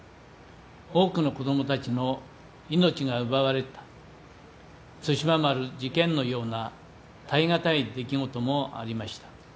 多くの子どもたちの命が奪われた対馬丸事件のような耐え難い出来事もありました。